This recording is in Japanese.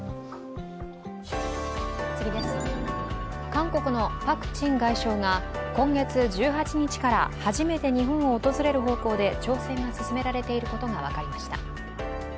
韓国のパク・チン外相が今月１８日から初めて日本を訪れる方向で調整が進められていることが分かりました。